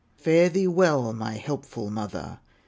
Fare thee well, my helpful mother!